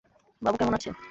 বাবু কেমন আছে?